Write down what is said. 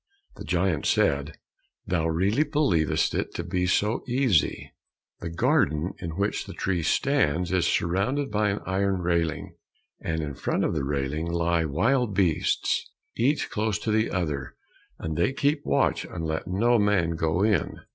The giant said, "Thou really believest it to be so easy! The garden in which the tree stands is surrounded by an iron railing, and in front of the railing lie wild beasts, each close to the other, and they keep watch and let no man go in."